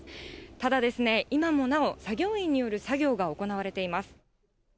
ただですね、今もなお、作業員による作業が行われています。